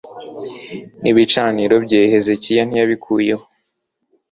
n ibicaniro bye hezekiya ntiyabikuyeho